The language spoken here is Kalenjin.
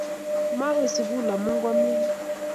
Mawe sukul amu komioni